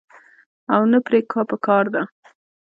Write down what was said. او نۀ پرې پکار ده -